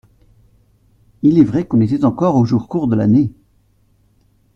Il est vrai qu'on était encore aux jours courts de l'année.